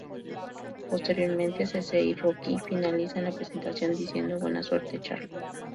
Posteriormente, CeCe y Rocky finalizan la presentación diciendo: "¡Buena suerte, Charlie!